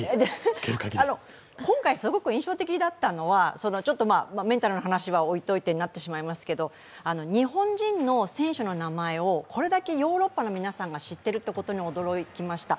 今回、すごく印象的だったのは、メンタルの話は置いておいてになってしまいますけれども日本人の選手の名前をこれだけヨーロッパの皆さんが知ってるっていうのに驚きました。